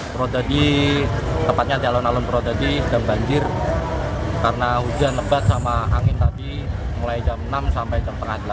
purwodadi tepatnya di alun alun purwodadi sudah banjir karena hujan lebat sama angin tadi mulai jam enam sampai jam delapan